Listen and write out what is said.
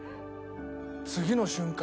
次の瞬間